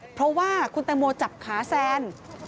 เพราะว่าคุณแตงโมจับขาแซน